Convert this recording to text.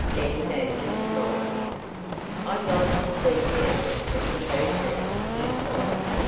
Benny Badger smiled. "I'd like to see the Owl that could hurt me!" he cried.